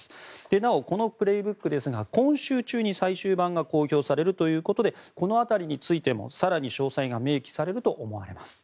なおこの「プレーブック」ですが今週中に最終版が公表されるということでこの辺りについても更に詳細が明記されると思われます。